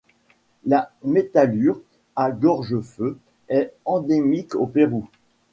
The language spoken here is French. La Métallure à gorge feu est endémique au Pérou.